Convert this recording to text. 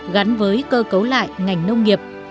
gắn với cơ cấu lại ngành nông nghiệp